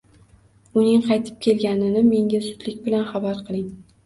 uning qaytib kelganini menga zudlik bilan xabar qiling.